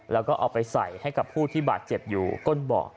แล้วก็เอาไปใส่ให้กับผู้ที่บาดเจ็บอยู่ก้นเบาะ